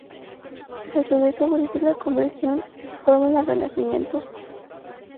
Pero a su vez favorece la conversión de Forment al Renacimiento.